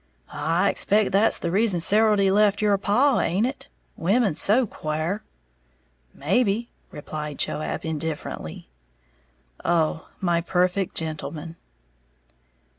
"I expect that's the reason Serildy left your paw, haint it? Women's so quare." "Maybe," replied Joab, indifferently. Oh, my perfect gentleman!